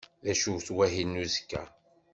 D acu wahil n uzekka?